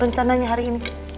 rencananya hari ini